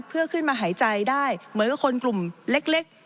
เพื่อขึ้นมาหายใจได้เหมือนกับคนกลุ่มเล็ก